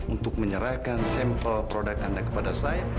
untuk menyerahkan sampel produk anda kepada saya